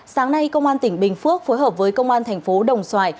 sáng nay công an tỉnh bình phước phối hợp với công an thành phố đồng xoài